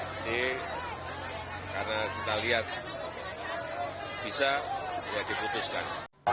ini karena kita lihat bisa ya diputuskan